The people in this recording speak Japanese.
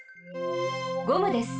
ゴムです。